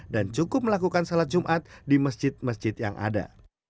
dan cukup melakukan salat jumat di masjid masjid yang lain